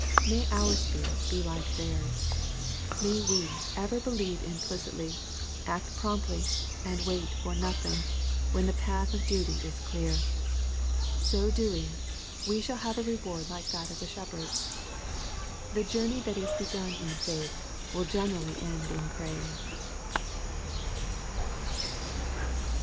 May oar spirit be like theirs ! May we ever believe implicitly, act promptly, and wait for nothing, when the path of dutv is clear I So doing, we shall have a reward i 60 EXPOSITOBT THOUGHTS. like that cf the shepherds. The joamey that is begun in faith, will generally end in praise.